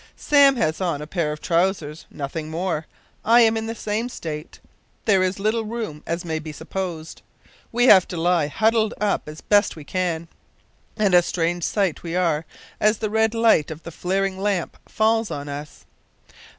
Sam has on a pair of trousers nothing more. I am in the same state! There is little room, as may be supposed. We have to lie huddled up as we best can, and a strange sight we are as the red light of the flaring lamp falls on us.